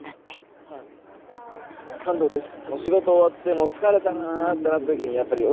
感動です。